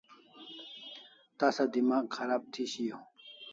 Tasa demagh kharab thi shiau